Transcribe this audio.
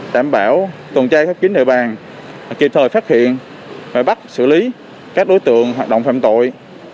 đảm bảo tuần tra khép kính địa bàn kịp thời phát hiện và bắt xử lý các đối tượng hoạt động phạm tội